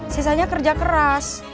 sisanya kerja keras